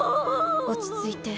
落ち着いて。